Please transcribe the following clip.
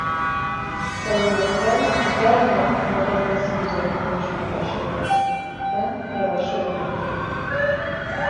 Salondakiler, derhal modern resim üzerinde konuşmaya başladılar, ben yavaşça odama gittim.